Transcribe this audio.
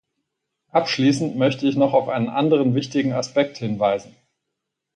Abschließend möchte ich noch auf einen anderen wichtigen Aspekt hinweisen.